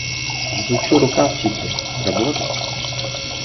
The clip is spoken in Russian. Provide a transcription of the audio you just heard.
Засучу рукавчики: работать?